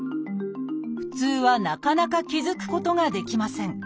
普通はなかなか気付くことができません。